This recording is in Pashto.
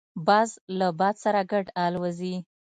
باز له باد سره ګډ الوزي